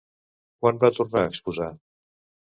Quan va tornar a exposar?